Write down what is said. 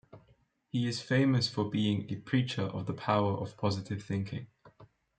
He is famous for being a preacher of the power of positive thinking.